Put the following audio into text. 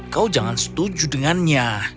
kau jangan setuju dengannya